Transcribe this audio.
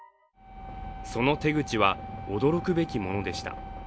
その手口は驚くべきものでした。